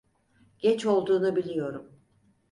Geç olduğunu biliyorum.